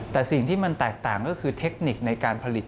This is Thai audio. แต่สิ่งที่มันแตกต่างก็คือเทคนิคในการผลิต